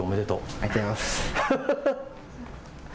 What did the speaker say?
ありがとうございます。